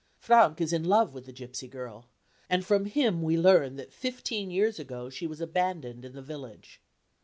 Frank is in love with the gipsy girl, and from him we learn that fifteen years ago she was abandoned in the village.